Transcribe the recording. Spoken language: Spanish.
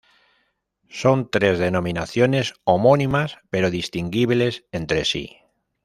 Son tres denominaciones homónimas pero distinguibles entre sí.